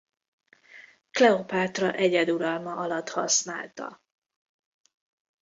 Kleopátra egyeduralma alatt használta.